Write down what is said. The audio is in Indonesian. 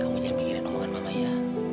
kamu jangan pikirin omongan mama ya